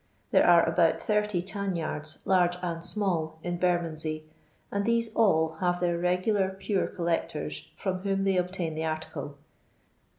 There are about 80 tanyards large and small in Bernondscy, and these all have their regular Pure coUecton from whom they obtain tJie article.